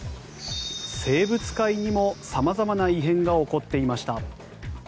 生物界にも様々な異変が起こっていました。